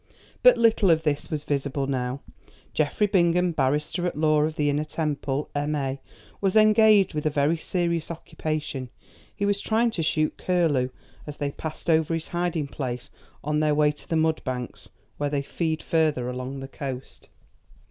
But little of this was visible now. Geoffrey Bingham, barrister at law of the Inner Temple, M.A., was engaged with a very serious occupation. He was trying to shoot curlew as they passed over his hiding place on their way to the mud banks where they feed further along the coast.